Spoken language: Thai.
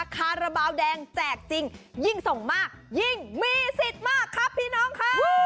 คาราบาลแดงแจกจริงยิ่งส่งมากยิ่งมีสิทธิ์มากครับพี่น้องค่ะ